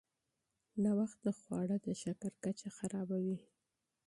ناوخته خواړه د شکر کچه خرابوي.